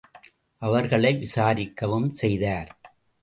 அவர்களை விசாரிக்கவும் செய்தார்.